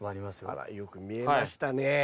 あらよく見えましたね。